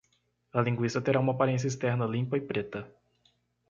A linguiça terá uma aparência externa limpa e preta.